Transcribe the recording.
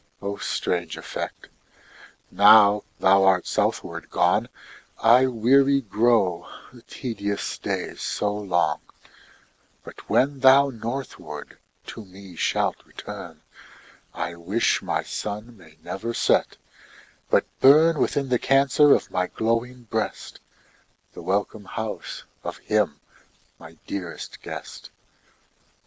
O strange effect! now thou art southward gone, I weary grow the tedious day so long; But when thou northward to me shalt return, I wish my Sun may never set, but burn Within the Cancer of my glowing breast, The welcome house of him my dearest guest.